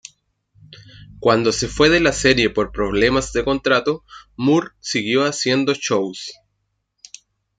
Cuando se fue de la serie por problemas de contrato, Moore siguió haciendo shows.